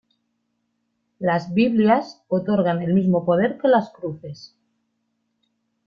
Las "Biblias" otorgan el mismo poder que las cruces.